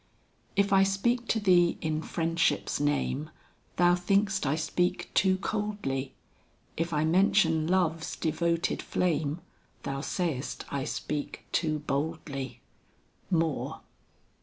"If I speak to thee in Friendship's name, Thou think'st I speak too coldly; If I mention Love's devoted flame, Thou say'st I speak too boldly." MOORE.